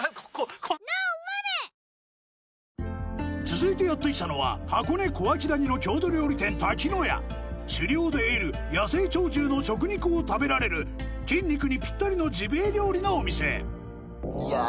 続いてやって来たのは箱根・小涌谷の郷土料理店狩猟で得る野生鳥獣の食肉を食べられる筋肉にぴったりのジビエ料理のお店いや